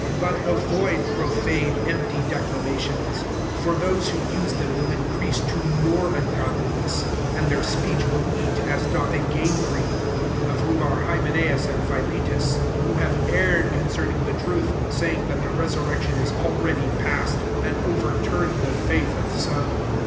16 But avoid profane empty declamations : for those who use them will increase to more ungodliness: 17 and their speech will eat as doth a gangrene : of whom are Hymen6us and Phi letus : 18 who have erred con cerning the truth, saying that the resurrection is alreadv past; and overturn the faith of some.